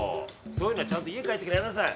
そういうのはちゃんと家帰ってからやりなさい！